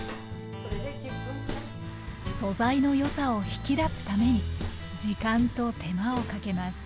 素材のよさを引き出すために時間と手間をかけます